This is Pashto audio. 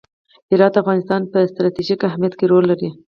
هرات د افغانستان په ستراتیژیک اهمیت کې رول لري.